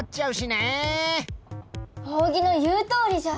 扇の言うとおりじゃ！